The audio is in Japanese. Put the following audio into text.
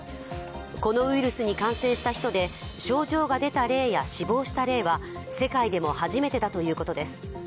このウイルスに感染した人で症状が出た例や死亡した例は世界でも初めてだということです。